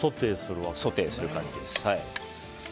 ソテーする感じです。